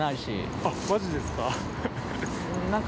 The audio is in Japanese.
あっ、マジですか。